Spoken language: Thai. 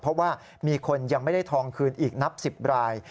เพราะว่ามีคนยังไม่ได้ทองคืนอีกนับ๑๐ราย